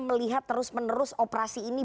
melihat terus menerus operasi ini